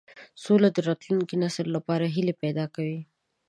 سوله د راتلونکي نسل لپاره هیلې پیدا کوي.